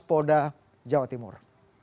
polda jawa timur